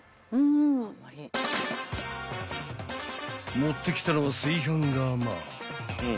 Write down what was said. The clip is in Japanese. ［持ってきたのは炊飯釜］